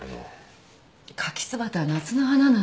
カキツバタは夏の花なのよ。